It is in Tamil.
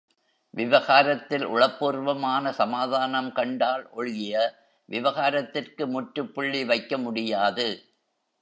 விவகாரத்தில் உளப்பூர்வமான சமாதானம் கண்டால் ஒழிய விவகாரத்திற்கு முற்றுப் புள்ளி வைக்க முடியாது.